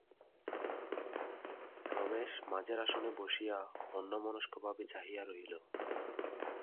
রমেশ মাঝের আসনে বসিয়া অন্যমনস্কভাবে চাহিয়া রহিল।